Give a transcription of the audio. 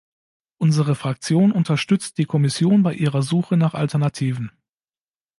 Unsere Fraktion unterstützt die Kommission bei ihrer Suche nach Alternativen.